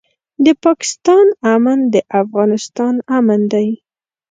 د پاکستان امن د افغانستان امن دی.